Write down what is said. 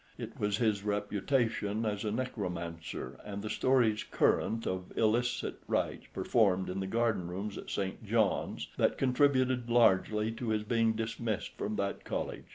It was his reputation as a necromancer, and the stories current of illicit rites performed in the garden rooms at St. John's, that contributed largely to his being dismissed from that College.